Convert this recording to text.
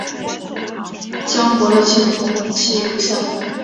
江国的青铜器如下。